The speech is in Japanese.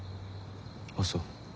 あっそう。